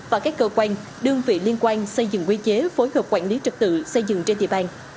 và các cơ quan đơn vị liên quan xây dựng quy chế phối hợp quản lý trật tự xây dựng trên địa bàn